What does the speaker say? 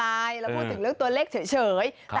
เราพูดถึงเรื่องตัวเลขเฉย